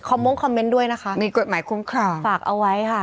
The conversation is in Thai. คอมเม้งคอมเม้นต์ด้วยนะคะมีกฎหมายคุณค่ะฝากเอาไว้ค่ะ